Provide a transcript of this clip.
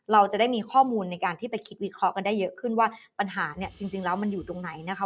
เราจะได้มีข้อมูลในการที่ไปคิดวิเคราะห์กันได้เยอะขึ้นว่าปัญหาเนี่ยจริงแล้วมันอยู่ตรงไหนนะคะ